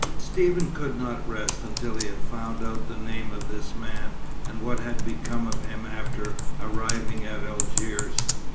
Stephen could not rest until he had found out the name of this man, and what had become of him after arriving at Algiers.